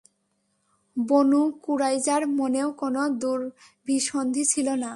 বনু কুরাইজার মনেও কোন দুরভিসন্ধি ছিল না।